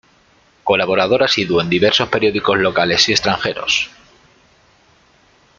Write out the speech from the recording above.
Colaborador asiduo en diversos periódicos locales y extranjeros.